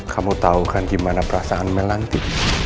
kamu tahu kan gimana perasaan mel nanti